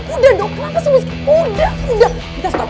udah dong kenapa semua ini